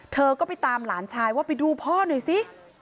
เธอก็ไปตามหลานชายว่าไปดูพ่อหน่อยสิ